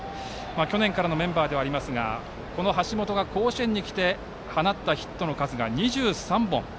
去年からのメンバーではありますが、橋本が甲子園に来て放ったヒットの数が２３本。